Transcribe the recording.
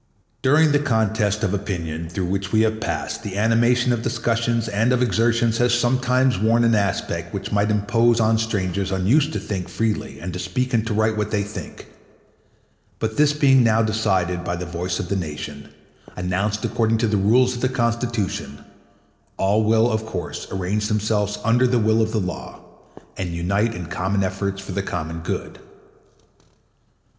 1 During the contest of opinion through which we have passed the animation of discussions and of exertions has sometimes worn an aspect which might impose on strangers unused to think freely and to speak and to write what they think; but this being now decided by the voice of the nation, announced according to the rules of the Constitution, all will, of course, arrange themselves under the will of the law, and unite in common efforts for the common good.